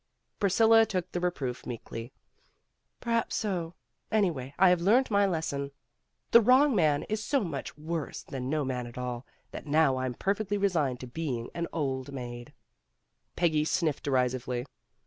Priscilla took the reproof meekly. '' Perhaps so. Anyway, I have learned my lesson. The 240 PEGGY RAYMOND'S WAY wrong man is so much worse than no man at all that now I'm perfectly resigned to being an old maid." Peggy sniffed derisively.